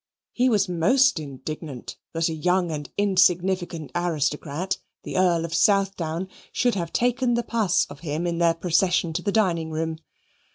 He was most indignant that a young and insignificant aristocrat, the Earl of Southdown, should have taken the pas of him in their procession to the dining room.